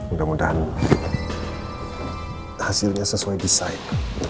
mudah mudahan hasilnya sesuai desain